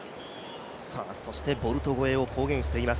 そしてボルト超えを公言しています